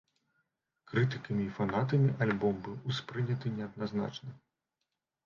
Крытыкамі і фанатамі альбом быў успрыняты неадназначна.